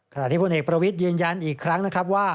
ขณะที่พลเอกประวิทย์ยืนยันอีกครั้งนะครับว่า